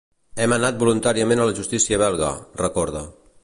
Hem anat voluntàriament a la justícia belga, recorda.